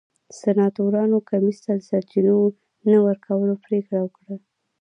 سناتورانو کمېسیون ته د سرچینو د نه ورکولو پرېکړه وکړه.